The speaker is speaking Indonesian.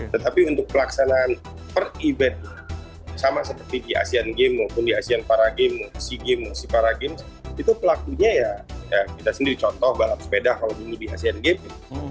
tetapi untuk pelaksanaan per event sama seperti di asean games maupun di asean para games sea games para games itu pelakunya ya kita sendiri contoh balap sepeda kalau dulu di asean games